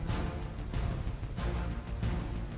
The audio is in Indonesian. malam malam aku sendiri